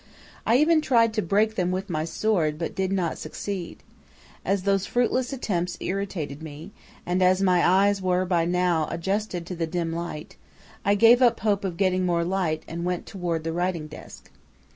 "I even tried to break them with my sword, but did not succeed. As those fruitless attempts irritated me, and as my eyes were by now adjusted to the dim light, I gave up hope of getting more light and went toward the writing desk.